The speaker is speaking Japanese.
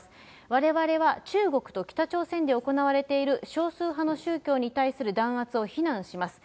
われわれは中国と北朝鮮で行われている少数派の宗教に対する弾圧を非難します。